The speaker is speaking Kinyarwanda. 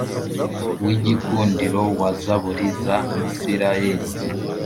W igikundiro wa zaburi za isirayeli